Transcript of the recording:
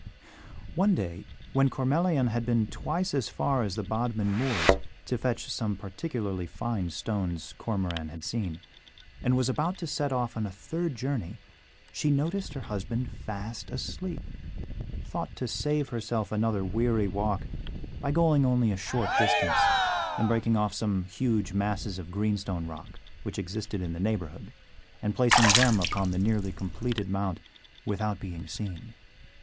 One day, when Cormelian had been twice as far as the Bodmin moors to fetch some particularly fine stones Cormoran had seen, and was about to set off on a third journey, she, noticing her husband fast asleep, thought to save herself another weary walk by going only a short distance and breaking off some huge masses of greenstone rock which existed in the neighbourhood and placing them upon the nearly completed Mount without being seen.